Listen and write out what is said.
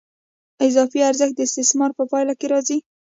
اضافي ارزښت د استثمار په پایله کې راځي